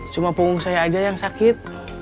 cuma punggung saya aja yang sakit